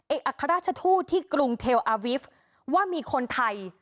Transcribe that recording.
อัครราชทูตที่กรุงเทลอาวิฟต์ว่ามีคนไทย